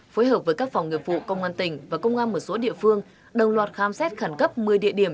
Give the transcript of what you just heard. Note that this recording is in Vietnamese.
phối hợp với các phòng nghiệp vụ công an tỉnh và công an một số địa phương đồng loạt khám xét khẩn cấp một mươi địa điểm